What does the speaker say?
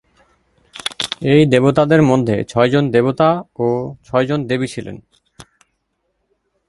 এই দেবতাদের মধ্যে ছয়জন দেবতা ও ছয়জন দেবী ছিলেন।